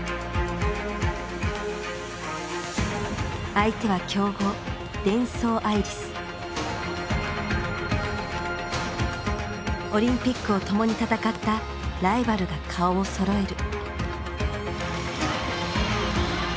相手は強豪オリンピックを共に戦ったライバルが顔をそろえる。